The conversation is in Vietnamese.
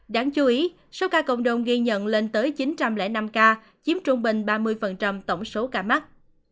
đáng chú ý số ca cộng đồng ghi nhận lên tới chín trăm linh năm ca chiếm trung bình ba mươi tổng số ca mắc